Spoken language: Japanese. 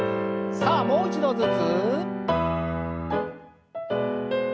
さあもう一度ずつ。